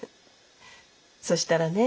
そしたらね。